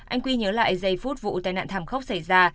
anh quy nhớ lại giây phút vụ tai nạn thảm khốc xảy ra